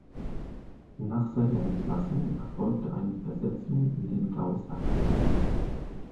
Nach seiner Entlassung erfolgte eine Versetzung in den Gau Sachsen.